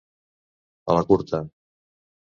A la curta.